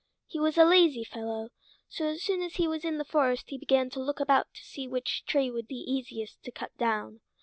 He was a lazy fellow, so as soon as he was in the forest he began to look about to see which tree would be the easiest to cut down.